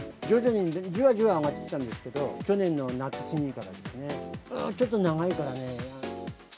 徐々にじわじわ上がってきたんですけど、去年の夏過ぎからですね、ちょっと長いからね。